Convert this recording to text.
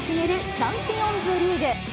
チャンピオンズリーグ。